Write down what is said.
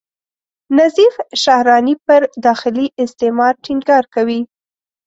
نظیف شهراني پر داخلي استعمار ټینګار کوي.